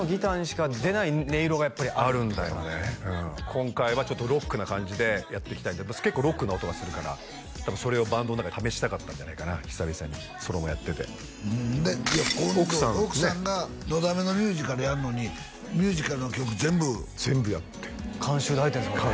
今回はちょっとロックな感じでやっていきたいんで結構ロックな音がするから多分それをバンドの中で試したかったんじゃないかな久々にソロもやってて奥さんが「のだめ」のミュージカルやるのにミュージカルの曲全部全部やって監修で入ってるんですもんね